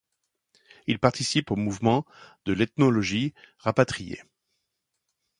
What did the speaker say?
Il participe au mouvement de l'Ethnologie rapatriée.